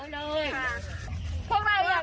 พวกเราอยากล้าอย่างนั้น